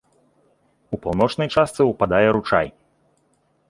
У паўночнай частцы ўпадае ручай.